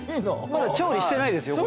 まだ調理してないですよ？